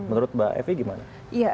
menurut mbak evi gimana